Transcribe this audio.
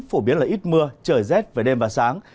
phổ biến là ít mưa trời rét về đêm và sáng